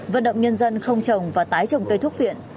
vận động nhân dân không trồng và tái trồng cây thuốc viện